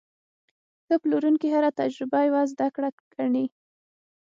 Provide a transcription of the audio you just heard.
ښه پلورونکی هره تجربه یوه زده کړه ګڼي.